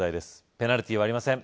ペナルティーはありません